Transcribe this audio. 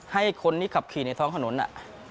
ให้คนที่ขับขี่ในท้องถนนน่ะ